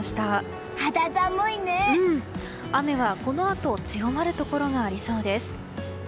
雨はこのあと強まるところがありそうです。